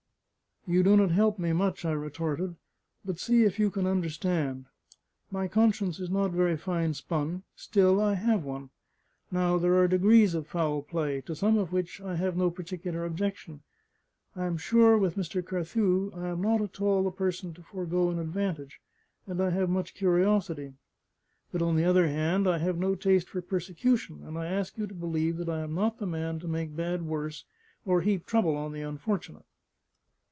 "You do not help me much," I retorted. "But see if you can understand: my conscience is not very fine spun; still, I have one. Now, there are degrees of foul play, to some of which I have no particular objection. I am sure with Mr. Carthew, I am not at all the person to forgo an advantage; and I have much curiosity. But on the other hand, I have no taste for persecution; and I ask you to believe that I am not the man to make bad worse, or heap trouble on the unfortunate."